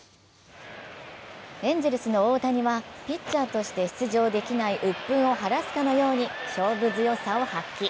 エンゼルスの大谷はピッチャーとして出場できない鬱憤を晴らすかのように勝負強さを発揮。